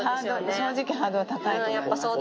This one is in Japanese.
正直ハードル高いと思います。